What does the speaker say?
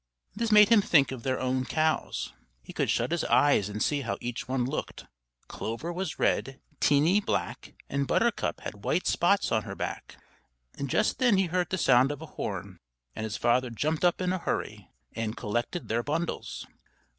This made him think of their own cows. He could shut his eyes and see how each one looked. Clover was red, Teenie black, and Buttercup had white spots on her back. Just then he heard the sound of a horn; and his father jumped up in a hurry and collected their bundles.